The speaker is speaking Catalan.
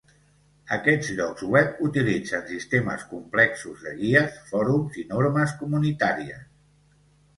Aquests llocs web utilitzen sistemes complexos de guies, fòrums i normes comunitàries.